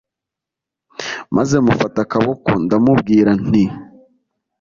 maze mufata akaboko ndamubwira nti